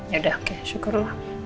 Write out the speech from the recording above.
yaudah oke syukurlah